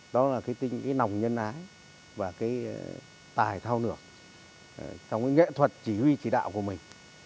đó là cái nòng nhân ái và cái tài thao nửa trong cái nghệ thuật chỉ huy chỉ đạo của mình